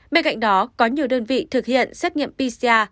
bên cạnh đó có nhiều đơn vị thực hiện xét nghiệm pcr